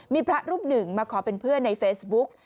มีพระรูปหนึ่งมาขอเป็นเพื่อนในเฟซบุ๊ก